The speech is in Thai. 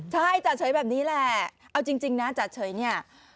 ใช่จ่าเฉยแบบนี้แหละเอาจริงนะจ่าเฉยเนี่ย